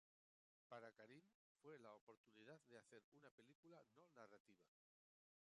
Para Karim fue la oportunidad de hacer una película no narrativa.